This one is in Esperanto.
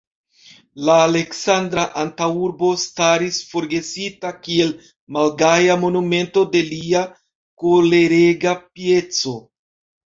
La Aleksandra antaŭurbo staris forgesita kiel malgaja monumento de lia kolerega pieco.